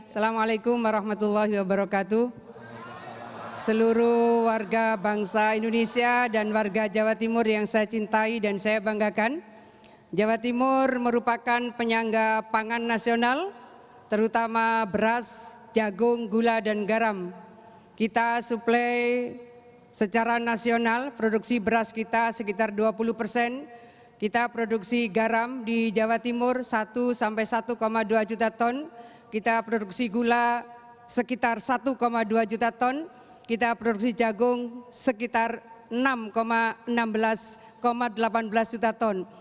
kita memiliki satu satu satu dua juta ton kita produksi gula sekitar satu dua juta ton kita produksi jagung sekitar enam delapan belas juta ton